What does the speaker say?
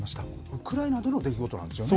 ウクライナでの出来事なんですよね。